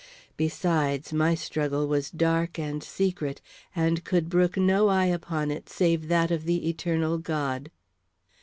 Besides, my struggle was dark and secret, and could brook no eye upon it save that of the eternal God.